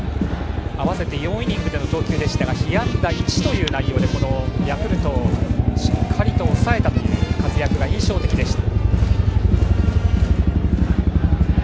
合わせて４イニングでの投球でしたが被安打１でヤクルトをしっかり抑えたという活躍が印象的でした。